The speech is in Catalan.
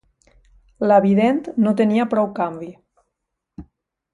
La vident no tenia prou canvi.